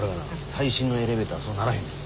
最新のエレベーターはそうならへんねん。